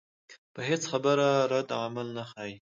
پۀ هېڅ خبره ردعمل نۀ ښائي